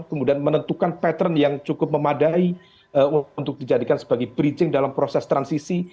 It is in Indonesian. kemudian menentukan pattern yang cukup memadai untuk dijadikan sebagai bridging dalam proses transisi